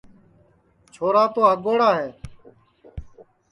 چھورا تو ہگوڑا ہے